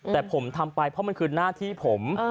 แต่ผมทำไปเพราะมันคือหน้าที่ผม